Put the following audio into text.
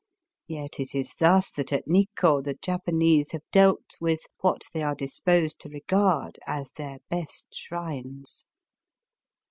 Yet it is thus that at Nikko the Japanese have dealt with what they are disposed to regard as their best shrines.